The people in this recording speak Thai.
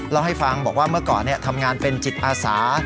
เล่าให้ฟังบอกว่าเมื่อก่อนทำงานเป็นจิตอาสา